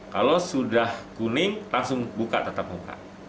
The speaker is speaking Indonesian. kalau sudah kuning langsung buka tatamuka